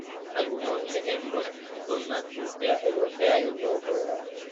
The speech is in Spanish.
Algunos ejemplos son la nutria europea y el lobo colorado.